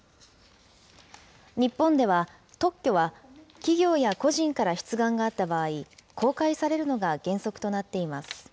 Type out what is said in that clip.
日本では、特許は企業や個人から出願があった場合、公開されるのが原則となっています。